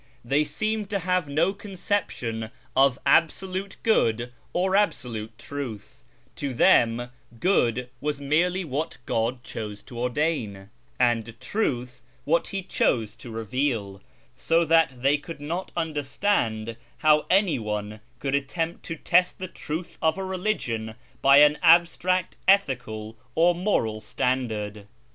They seemed to have no conception of Absolute Good or Absolute Truth : to them Good was merely what God chose to ordain, and Truth what He chose to reveal, so that they could not understand how any one could attempt to test the truth of a religion by an abstract ethical or moral standard.